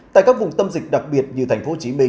tại các vùng tâm dịch đặc biệt như tp hcm